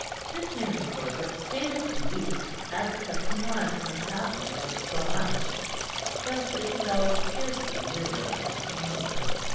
Miss Mary Corbet stayed a few weeks, as the custom was when travelling meant so much; but Isabel was scarcely nearer understanding her.